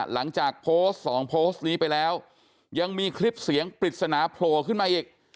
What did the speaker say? หลังจากโพสต์๒โพสต์นี้ไปแล้วยังมีคลิปเสียงปริศนาโผล่ขึ้นมาอีก